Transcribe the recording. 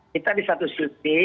kita di satu sisi